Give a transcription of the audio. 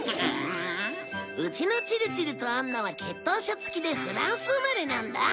うちのチルチルとアンナは血統書付きでフランス生まれなんだ。